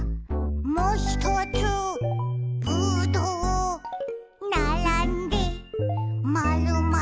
「もひとつぶどう」「ならんでまるまる」